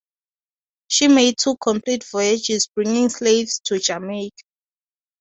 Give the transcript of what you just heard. She made two complete voyages bringing slaves to Jamaica.